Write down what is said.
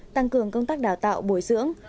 tăng cường công tác đào tạo bồi dưỡng